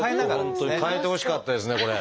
本当に変えてほしかったですねこれ。